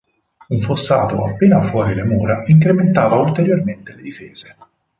Un fossato appena fuori le mura incrementava ulteriormente le difese.